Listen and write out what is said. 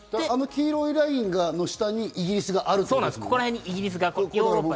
黄色いラインの下にイギリスがあるってことですね。